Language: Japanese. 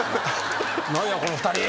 何やこの２人。